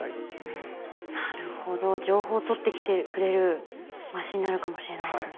情報を取ってきてくれるマシンになるかもしれないと。